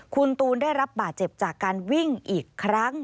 คุณตูนได้รับบาดเจ็บจากการวิ่งอีกครั้ง